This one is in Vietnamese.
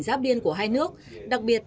giáp điên của hai nước đặc biệt